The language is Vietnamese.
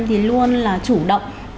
thì luôn là chủ động